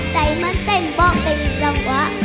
ใจมันเต้นบอกไปจนว่า